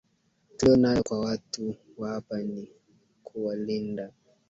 tuliyo nayo kwa watu wa hapa Ni kuwalinda